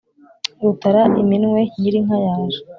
rutara iminwe nyir’ inka yaje,